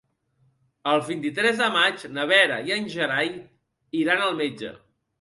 El vint-i-tres de maig na Vera i en Gerai iran al metge.